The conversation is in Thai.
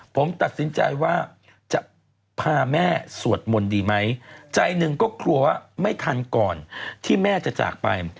ผมตัดสินใจว่าจะพาแม่สวดมนต์ดีไหมใจหนึ่งก็กลัวว่าไม่ทันก่อนที่แม่จะจากไป